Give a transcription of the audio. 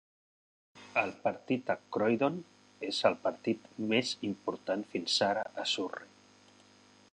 El partit a Croydon és el partit més important fins ara a Surrey.